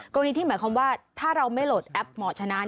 กรณีที่หมายความว่าถ้าเราไม่โหลดแอปหมอชนะ